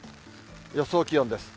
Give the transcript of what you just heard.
予想気温です。